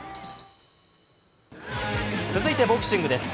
続いてボクシングです。